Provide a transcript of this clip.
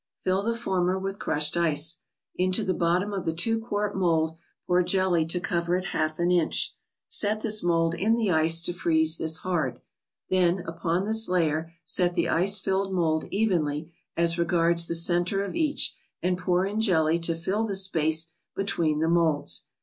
Fill the former with crushed ice. Into the bottom of the two quart mold pour jelly to cover it half an inch. Set this mold in the ice to freeze this hard ; then, upon this layer set the ice filled mold evenly as regards the centre of each, and pour in jelly to fill the space between the molds.